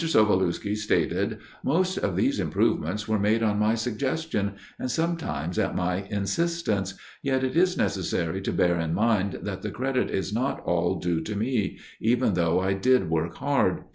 Sovulewski stated, "Most of these improvements were made on my suggestion, and sometimes at my insistence, yet it is necessary to bear in mind that the credit is not all due to me, even though I did work hard.